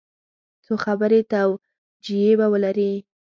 څو خبري توجیې به ولري.